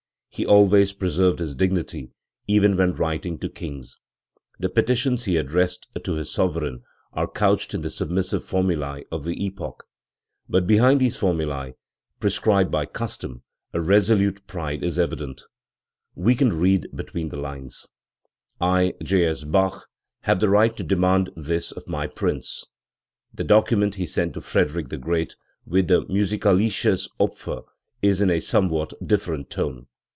He always preserved his dignity even when writing to kings, The petitions he addressed to his sovereign are couched in the submissive formulae of the epoch; but behind these formulae, prescribed by custom, a resolute pride is evident, We can read between the lines: "I, J. S. Bach, have the right to demand this of my prince 19 . The document he sent to Frederick the Great with the Musikalisches Opfer is in a somewhat different tone.